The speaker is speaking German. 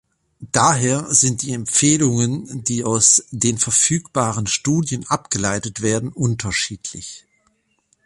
Daher sind die Empfehlungen, die aus den verfügbaren Studien abgeleitet werden, unterschiedlich.